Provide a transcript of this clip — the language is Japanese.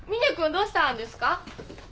どうしたんですか？